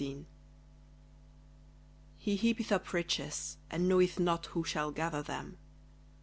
WEALTH _He heapeth up riches and knoweth not who shall gather them.